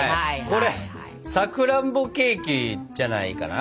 これ「さくらんぼケーキ」じゃないかな？